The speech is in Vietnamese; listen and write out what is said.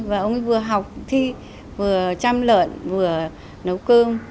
và ông ấy vừa học thi vừa chăm lợn vừa nấu cơm